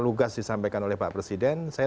lugas disampaikan oleh pak presiden saya